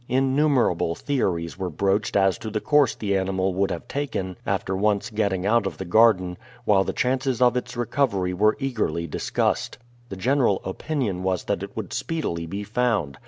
Innumerable theories were broached as to the course the animal would have taken after once getting out of the garden, while the chances of its recovery were eagerly discussed. The general opinion was that it would speedily be found.